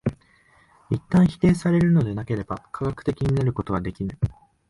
一旦否定されるのでなければ科学的になることはできぬ。